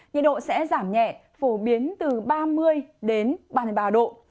nhiệt độ sẽ giảm nhẹ phổ biến từ ba mươi đến ba mươi ba độ